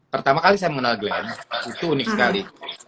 pertama kali saya mengenal glenn itu unik sekali